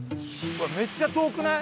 めっちゃ遠くない？